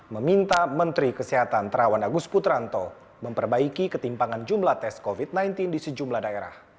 meminta menteri kesehatan terawan agus putranto memperbaiki ketimpangan jumlah tes covid sembilan belas di sejumlah daerah